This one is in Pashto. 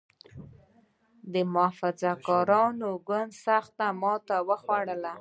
محافظه کار ګوند سخته ماته وخوړه.